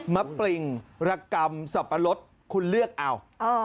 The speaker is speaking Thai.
ปริงระกำสับปะรดคุณเลือกเอา